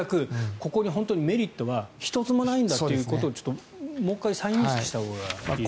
ここに本当にメリットは１つもないんだということをちょっともう１回再認識したほうがいいですね。